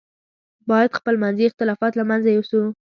باید خپل منځي اختلافات له منځه یوسو.